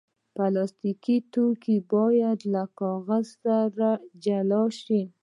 پلاستيکي توکي باید له کاغذ سره جلا شي.